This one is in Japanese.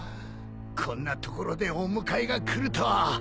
こんなところでお迎えが来るとは。